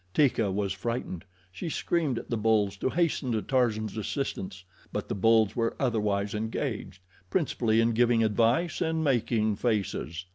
Teeka was frightened. She screamed at the bulls to hasten to Tarzan's assistance; but the bulls were otherwise engaged principally in giving advice and making faces.